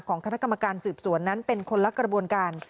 คณะกรรมการสืบสวนนั้นเป็นคนละกระบวนการ